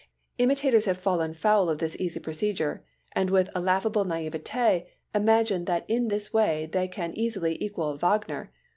Imitators have fallen foul of this easy procedure, and with a laughable naïveté imagine that in this way they can easily equal Wagner.